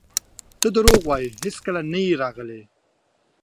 ته درواغ وایې هیڅکله نه یې راغلی!